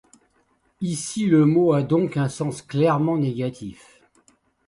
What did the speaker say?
Ici, le mot a donc un sens clairement négatif.